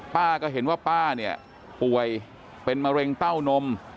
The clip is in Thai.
ป้าก็เห็นว่าป้าเนี่ยป่วยเป็นมะเร็งเต้านม